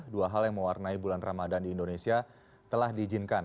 dua hal yang mewarnai bulan ramadan di indonesia telah diizinkan